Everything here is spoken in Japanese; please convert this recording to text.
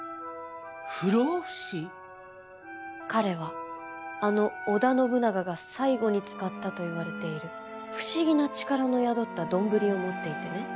彼はあの織田信長が最後に使ったと言われている不思議な力の宿った丼を持っていてね。